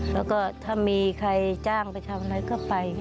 แล้วก็ถ้ามีใครจ้างไปชาวนั้นก็ไป